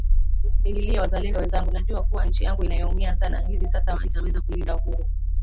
Msinililie wazalendo wenzangu najua kuwa nchi yangu inayoumia sana hivi sasa itaweza kulinda Uhuru